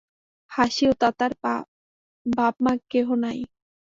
হাসি ও তাতার বাপ মা কেহ নাই।